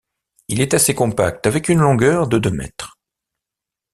Il est assez compact, avec une longueur de deux mètres.